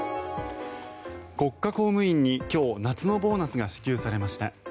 国家公務員に今日夏のボーナスが支給されました。